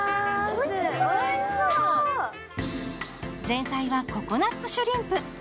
前菜はココナッツシュリンプ。